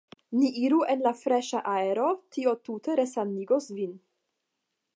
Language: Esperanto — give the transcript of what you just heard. Ni iru en la freŝan aeron, tio tute resanigos vin.